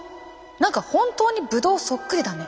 何か本当にブドウそっくりだね。